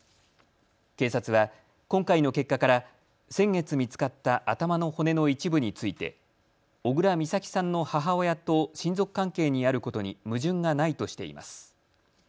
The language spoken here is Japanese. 警察は今回の結果から先月見つかった頭の骨の一部について小倉美咲さんの母親と親族関係にあることに矛盾がないとしています。